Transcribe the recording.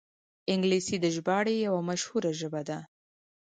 انګلیسي د ژباړې یوه مشهوره ژبه ده